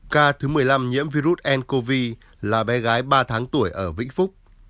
ca thứ một mươi năm nhiễm virus n cov là bé gái ba tháng tuổi ở vĩnh phúc